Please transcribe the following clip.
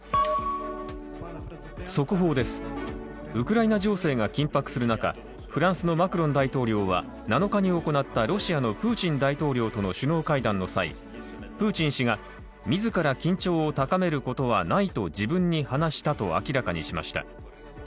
速報です、ウクライナ情勢が緊迫する中フランスのマクロン大統領は７日に行ったロシアのプーチン大統領との首脳会談の際プーチン氏が、自ら緊張を高めることはないと自分に話したと明らかにしました。